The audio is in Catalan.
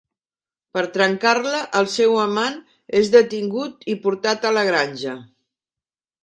Per trencar-la, el seu amant és detingut i portat a la granja.